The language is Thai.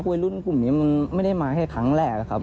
วัยรุ่นกลุ่มนี้มันไม่ได้มาแค่ครั้งแรกครับ